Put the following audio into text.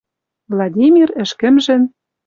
Владимир ӹшкӹмжӹн